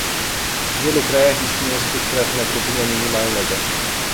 W wielu krajach istnieje struktura wynagrodzenia minimalnego